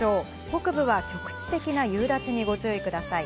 北部は局地的な夕立にご注意ください。